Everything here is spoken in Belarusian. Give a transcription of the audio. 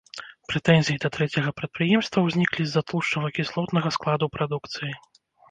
Прэтэнзіі да трэцяга прадпрыемства ўзніклі з-за тлушчава-кіслотнага складу прадукцыі.